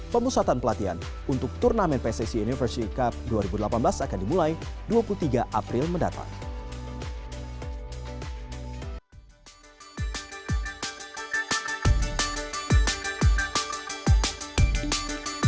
pemusatan pelatihan untuk turnamen pssi university cup dua ribu delapan belas akan dimulai dua puluh tiga april mendatang